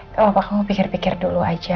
kalau apa kamu pikir pikir dulu aja